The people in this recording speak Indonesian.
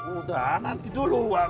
udah nanti dulu